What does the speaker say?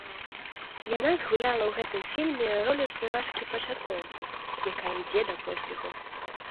Яна згуляла ў гэтым фільме ролю спявачкі-пачаткоўкі, якая ідзе да поспеху.